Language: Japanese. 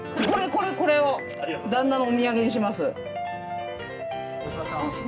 これを旦那のお土産にします。